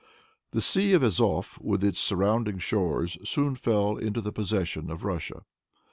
The Sea of Azof, with its surrounding shores, soon fell into the possession of Russia.